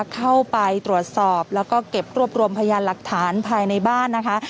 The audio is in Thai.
เข้าไปตรวจสอบแล้วก็เก็บรวบรวมพยานหลักฐานภายในบ้านนะคะ